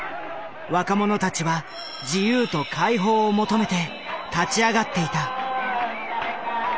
若者たちは自由と解放を求めて立ち上がっていた。